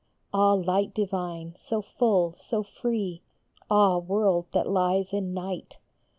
Ah, Light Divine, so full, so free ! Ah, world that lies in night